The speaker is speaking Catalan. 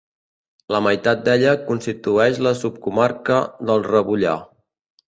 La meitat d'ella constitueix la subcomarca d'El Rebollar.